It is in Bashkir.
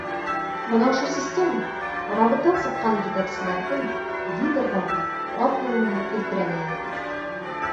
Бына ошо система арабыҙҙан сыҡҡан етәкселәрҙең — лидерҙарҙың аҙ булыуына китерә лә инде.